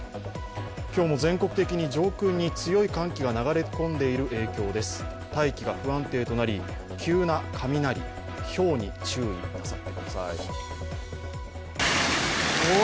今日も全国的に上空に強い寒気が流れ込んでいる影響で大気が不安定となり急な雷、ひょうに注意してください。